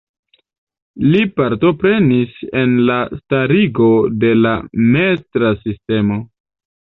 Li partoprenis en la starigo de la metra sistemo.